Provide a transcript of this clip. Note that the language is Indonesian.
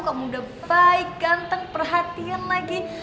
kamu udah baik ganteng perhatian lagi